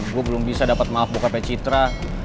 gue belum bisa dapet maaf bokapai citra